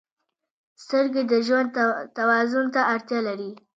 • سترګې د ژوند توازن ته اړتیا لري.